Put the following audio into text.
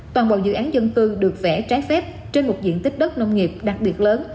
toàn bộ dự án dân cư được vẽ trái phép trên một diện tích đất nông nghiệp đặc biệt lớn